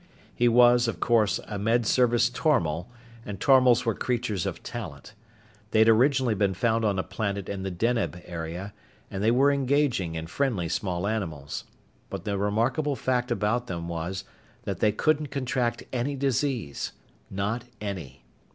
He was, of course, a Med Service tormal, and tormals were creatures of talent. They'd originally been found on a planet in the Deneb area, and they were engaging and friendly small animals. But the remarkable fact about them was that they couldn't contract any disease. Not any.